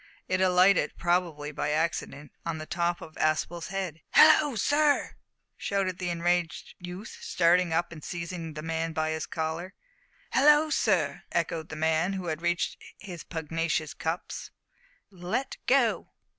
It alighted, probably by accident, on the top of Aspel's head. "Hallo, sir!" shouted the enraged youth, starting up and seizing the man by his collar. "Hallo, sir!" echoed the man, who had reached his pugnacious cups, "let go."